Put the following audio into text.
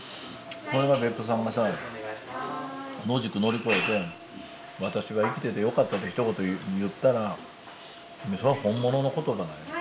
それが別府さんがさ野宿乗り越えて「私は生きててよかった」ってひと言言ったらそれは本物の言葉。